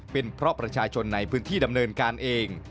เป็นเพราะประชาชนในพื้นที่ดำเนินการเอง